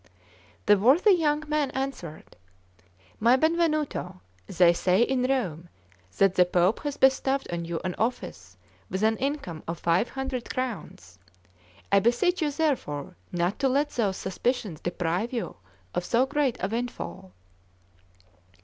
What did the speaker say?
The worthy young man answered: "My Benvenuto, they say in Rome that the Pope has bestowed on you an office with an income of five hundred crowns; I beseech you therefore not to let those suspicions deprive you of so great a windfall."